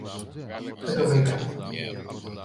Δεν το βρήκαν